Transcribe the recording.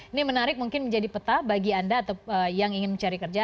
ini menarik mungkin menjadi peta bagi anda atau yang ingin mencari kerja